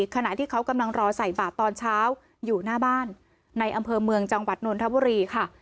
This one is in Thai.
ขณะที่เขากำลังรอใส่บาทตอนเช้าอยู่หน้าบ้านในอำเภอเมืองจังหวัดนนทบุรีค่ะ